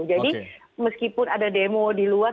meskipun ada demo di luar